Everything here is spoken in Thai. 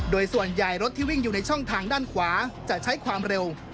โดยส่วนใหญ่รถที่วิ่งอยู่ในช่องทางด้านขวาจะใช้ความเร็ว